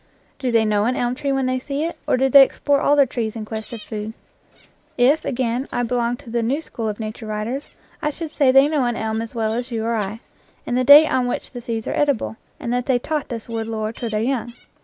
Do they know an elm tree when they see it, or do they explore all the trees in quest of food? If, again, I belonged to the new school of nature writers, I should say they know an elm as well as you or I, and the date on which the seeds are edible, and that they taught this wood lore to their young.